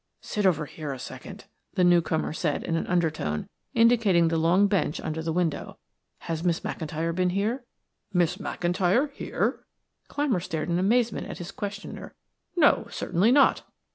"Sit over here a second," the newcomer said in an undertone, indicating the long bench under the window. "Has Miss McIntyre been here?" "Miss McIntyre here?" Clymer stared in amazement at his questioner. "No, certainly not."